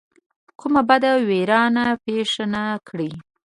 کومه بده ویرانه پېښه نه کړي.